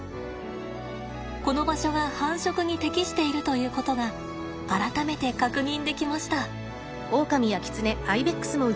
この場所が繁殖に適しているということが改めて確認できました。